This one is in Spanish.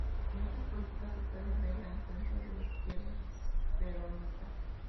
En estas políticas, se puede ver la influencia de la izquierda peronista.